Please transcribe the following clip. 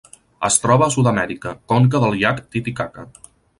Es troba a Sud-amèrica: conca del llac Titicaca.